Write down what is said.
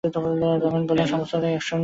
রমেন বললে, সমস্তটাই একসঙ্গে।